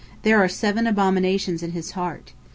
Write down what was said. There are seven abominations in his heart.